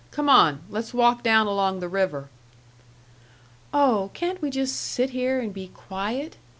"Come on. Let's walk down along the river." "Oh, can't we just sit here and be quiet?"